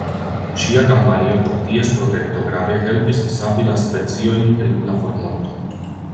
Ŝia kampanjo por ties protekto grave helpis savi la speciojn el la formorto.